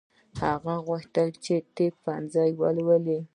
هغې غوښتل چې طب پوهنځی ولولي